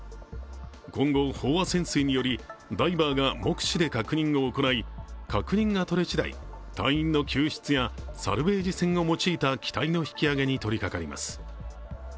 今後、飽和潜水によりダイバーが目視で確認を行い、確認がとれしだい隊員の救出やサルベージ船を用いた機体の引き揚げに取りかかります。